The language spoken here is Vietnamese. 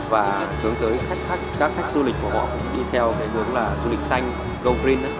và hướng tới các khách du lịch của họ cũng đi theo cái hướng là du lịch xanh gold green